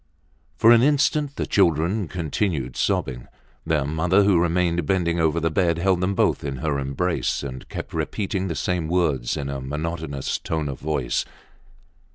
For an instant the children continued sobbing. Their mother, who remained bending over the bed, held them both in her embrace, and kept repeating the same words in a monotonous tone of voice.